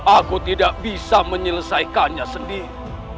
aku tidak bisa menyelesaikannya sendiri